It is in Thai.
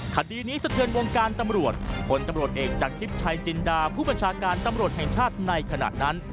คดีนี้สะเทือนวงการตำรวจพลตำรวจเอกจากทิพย์ชัยจินดาผู้ประชาการตำรวจแห่งชาติในขณะนั้น